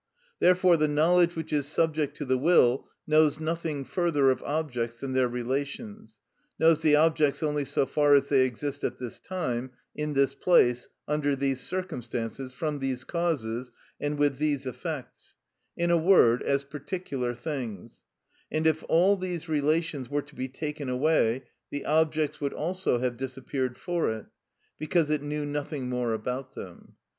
Therefore the knowledge which is subject to the will knows nothing further of objects than their relations, knows the objects only so far as they exist at this time, in this place, under these circumstances, from these causes, and with these effects—in a word, as particular things; and if all these relations were to be taken away, the objects would also have disappeared for it, because it knew nothing more about them.